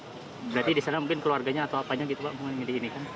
berarti di sana mungkin keluarganya atau apanya gitu pak yang diinikan